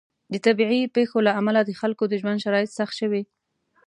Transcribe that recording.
د طبیعي پیښو له امله د خلکو د ژوند شرایط سخت شوي.